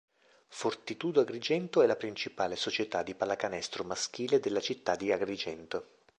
Fortitudo Agrigento è la principale società di pallacanestro maschile della città di Agrigento.